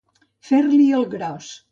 Fer-li el gros.